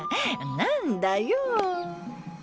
何だよ。